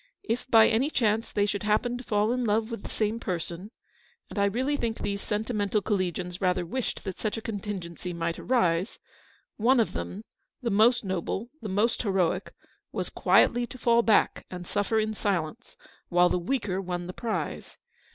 If by any chance they should happen to fall in love with the same person — and I really think these sentimental collegians rather wished that such a contingency might arise — one of them, the most noble, the most heroic, was quietly to fall back and suffer in silence, while the weaker won the prize.